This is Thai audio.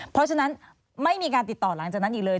เพราะฉะนั้นไม่มีการติดต่อหลังจากนั้นอีกเลย